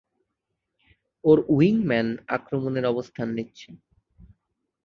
ওর উইংম্যান আক্রমণের অবস্থান নিচ্ছে।